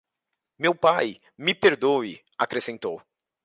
"Meu pai, me perdoe", acrescentou.